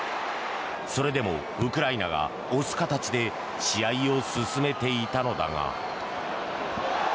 それでもウクライナが押す形で試合を進めていたのだが。